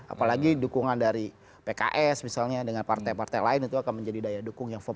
apalagi dukungan dari pks misalnya dengan partai partai lain itu akan menjadi daya dukung yang first